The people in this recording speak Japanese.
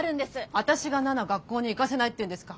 私が奈々学校に行かせないっていうんですか。